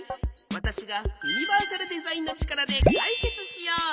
わたしがユニバーサルデザインのちからでかいけつしよう。